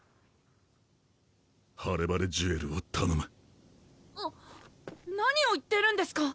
ハレバレジュエルをたのむ何を言ってるんですか